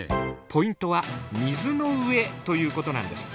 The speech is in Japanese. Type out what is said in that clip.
ポイントは「水の上」ということなんです。